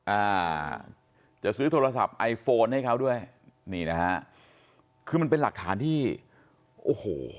อ่าจะซื้อโทรศัพท์ไอโฟนให้เขาด้วยนี่นะฮะคือมันเป็นหลักฐานที่โอ้โห